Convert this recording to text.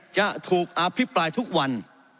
จะถูกอภิปรายทุกวัน